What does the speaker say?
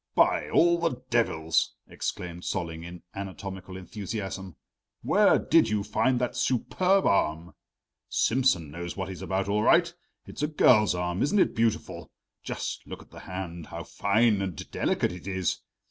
"By all the devils," exclaimed Solling in anatomical enthusiasm, "where did you find that superb arm? Simsen knows what he's about all right. It's a girl's arm; isn't it beautiful? Just look at the hand how fine and delicate it is!